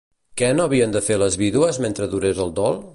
Què no havien de fer les vídues mentre durés el dol?